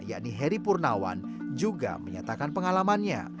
yakni heri purnawan juga menyatakan pengalamannya